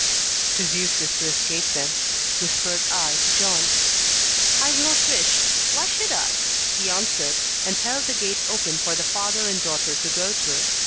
"'Tis useless to escape them," whispered I to John. "I do not wish why should I?" he answered, and held the gate open for the father and daughter to go through.